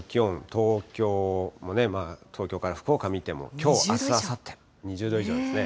東京もね、東京から福岡見ても、きょう、あす、あさって、２０度以上ですね。